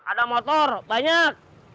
ada motor banyak